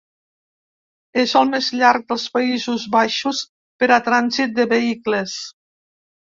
És el més llarg dels Països Baixos per a trànsit de vehicles.